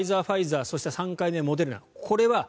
ファイザー、ファイザーそして３回目モデルナ